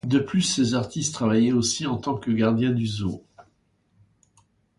De plus, ses artistes travaillaient aussi en tant que gardiens du zoo.